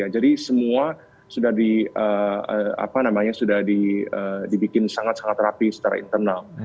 jadi semua sudah dibikin sangat rapi secara internal